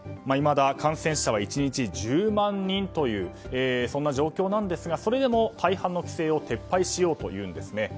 いまだ感染者は１日１０万人というそんな状況なんですがそれでも大半の規制を撤廃しようというんです。